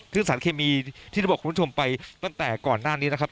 ซึ่งสารเคมีที่เราบอกคุณผู้ชมไปตั้งแต่ก่อนหน้านี้นะครับ